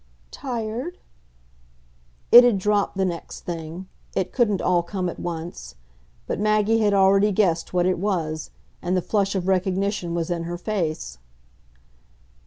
"Tired ?" It had dropped the next thing; it couldn't all come at once; but Maggie had already guessed what it was, and the flush of recognition was in her face.